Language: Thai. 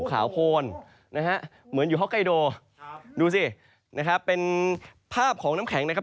ขาวโพนนะฮะเหมือนอยู่ฮอกไกโดดูสินะครับเป็นภาพของน้ำแข็งนะครับ